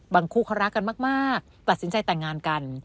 คู่เขารักกันมากตัดสินใจแต่งงานกัน